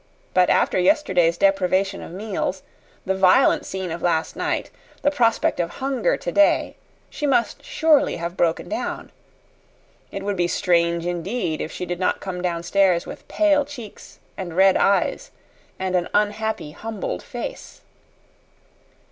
But after yesterday's deprivation of meals, the violent scene of last night, the prospect of hunger today, she must surely have broken down. It would be strange indeed if she did not come downstairs with pale cheeks and red eyes and an unhappy, humbled face.